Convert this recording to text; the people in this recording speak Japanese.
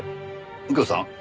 右京さん。